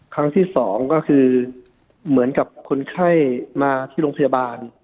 ครั้งที่สองก็คือเหมือนกับคนไข้มาที่โรงพยาบาล